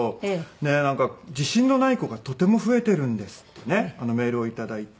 でなんか「自信のない子がとても増えてるんです」ってねメールを頂いて。